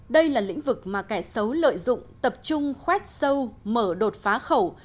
đây là lĩnh vực mà kẻ xấu lợi dụng tập trung khoét sâu mở đột phá khẩu